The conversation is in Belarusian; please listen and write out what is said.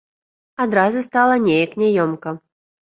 Адразу стала неяк няёмка.